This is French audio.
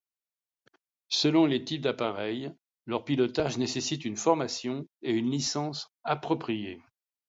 Selon les types d'appareils, leur pilotage nécessite une formation et une licence appropriée.